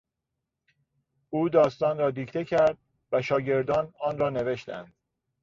او داستان را دیکته کرد و شاگردان آن را نوشتند.